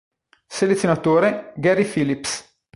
Selezionatore: Gary Phillips